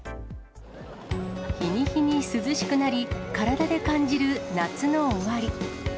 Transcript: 日に日に涼しくなり、体で感じる夏の終わり。